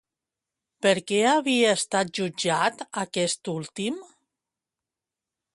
Per què havia estat jutjat aquest últim?